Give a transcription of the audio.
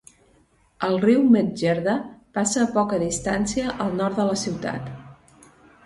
El riu Medjerda passa a poca distància al nord de la ciutat.